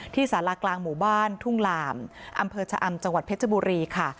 สารากลางหมู่บ้านทุ่งลามอำเภอชะอำจังหวัดเพชรบุรีค่ะ